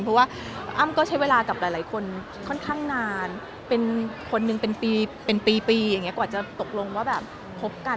เพราะว่าอ้ำก็ใช้เวลากับหลายคนค่อนข้างนานเป็นคนหนึ่งเป็นปีเป็นปีอย่างนี้กว่าจะตกลงว่าแบบคบกัน